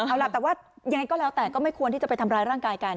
เอาล่ะแต่ว่ายังไงก็แล้วแต่ก็ไม่ควรที่จะไปทำร้ายร่างกายกัน